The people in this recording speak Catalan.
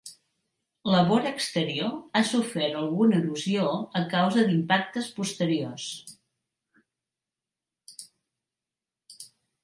La vora exterior ha sofert alguna erosió a causa d'impactes posteriors.